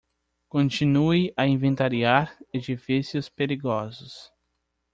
Continue a inventariar edifícios perigosos